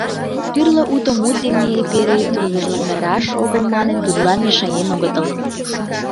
Тӱрлӧ уто мут дене эпере тургыжландараш огыл манын, тудлан мешаен огытыл.